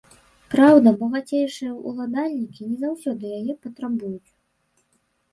Праўда, багацейшыя ўладальнікі не заўсёды яе патрабуюць.